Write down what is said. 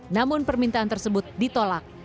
namun permintaan tersebut ditolak